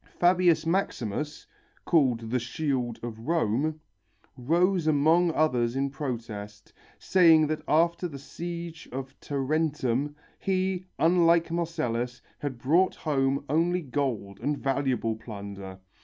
Fabius Maximus, called the "shield of Rome," rose among others in protest, saying that after the siege of Tarentum, he, unlike Marcellus, had brought home only gold and valuable plunder.